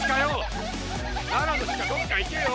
ならのしかどっか行けよ！